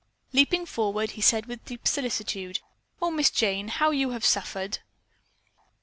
Leaping forward, he said with deep solicitude: "Oh, Miss Jane, how you have suffered!"